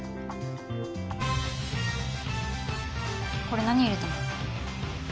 これ何入れたの？